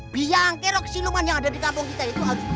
biang kerok siluman yang ada di kampung kita itu harus